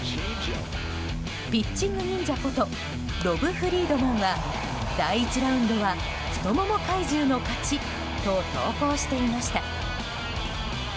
ピッチング忍者ことロブ・フリードマンは第１ラウンドは太もも怪獣の勝ちと投稿していました。